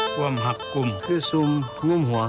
ความหักกลุ่มคือซุมงุ่มหัว